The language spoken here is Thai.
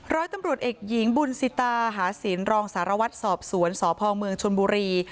ร้อยตำรวจเอกหญิงบุญสิตาหาศิลป์รองสารวัตรสอบสวนสพเมืองชนบุรี